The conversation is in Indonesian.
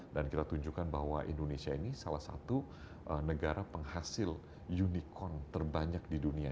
dan kita tunjukkan bahwa indonesia ini salah satu negara penghasil unicorn terbanyak di dunia